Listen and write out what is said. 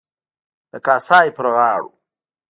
د کاسای پر غاړو.